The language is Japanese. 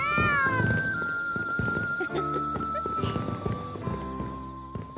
フフフフフ。